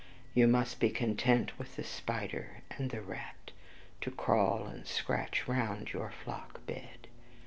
You must be content with the spider and the rat, to crawl and scratch round your flock bed!